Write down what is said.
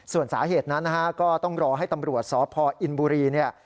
ส่วนสาเหตุนั้นนะฮะก็ต้องรอให้ตำรวจสพอินบุรีเนี่ย